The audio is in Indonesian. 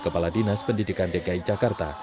kepala dinas pendidikan dki jakarta